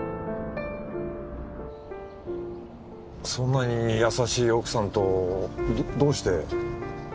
そんなに優しい奥さんとどうして？